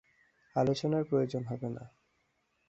আলোচনার প্রয়োজন হবে না।